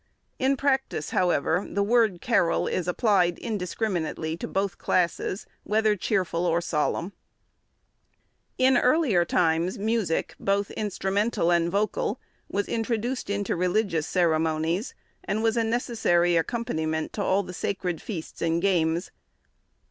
In practice, however, the word carol is applied indiscriminately to both classes, whether cheerful or solemn. In the earlier times, music, both instrumental and vocal, was introduced into religious ceremonies, and was a necessary accompaniment to all the sacred feasts and games.